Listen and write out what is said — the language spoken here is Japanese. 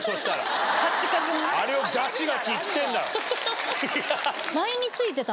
あれをガチガチいってんなら。